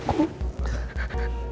kamu mau beri alih alih